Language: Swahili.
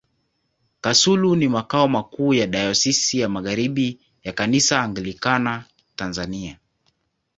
Kasulu ni makao makuu ya Dayosisi ya Magharibi ya Kanisa Anglikana Tanzania.